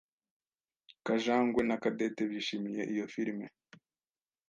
Kajangwe Na Cadette bishimiye iyo filime.